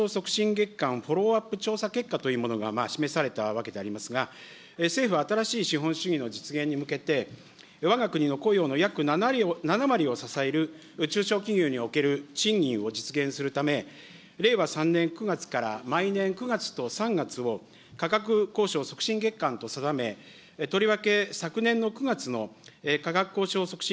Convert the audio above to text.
月間フォローアップ調査結果というものが示されたわけでありますが、政府は新しい資本主義の実現に向けて、わが国の雇用の約７割を支える中小企業における賃金を実現するため、令和３年９月から、毎年９月と３月を、価格交渉促進月間と定め、とりわけ、昨年の９月の価格交渉促進